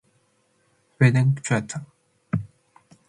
Bëdambuen chuita